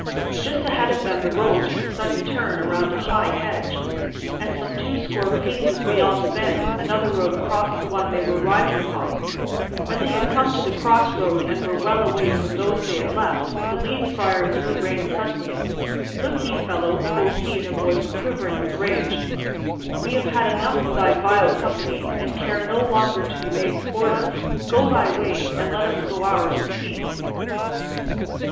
Just ahead of them the road took a sudden turn around a high hedge, and some twoscore paces beyond the bend another road crossed the one they were riding upon. When they had come to the crossroad and were well away from those they had left, the lean Friar drew rein suddenly. "Look ye, fellow," quoth he in a voice quivering with rage, "we have had enough of thy vile company, and care no longer to be made sport of. Go thy way, and let us go ours in peace."